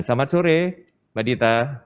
selamat sore mbak adita